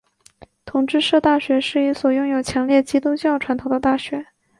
同志社大学是一所拥有强烈基督教传统的大学。